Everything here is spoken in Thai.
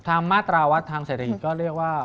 มาตราวัดทางเศรษฐกิจก็เรียกว่า